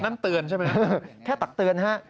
นั่นเตือนใช่ไหมครับแค่ตักเตือนครับ